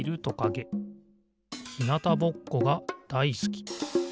ひなたぼっこがだいすき。